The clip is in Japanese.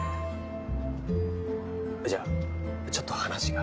じゃあちょっと話が。